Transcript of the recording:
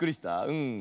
うん。